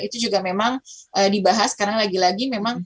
itu juga memang dibahas karena lagi lagi memang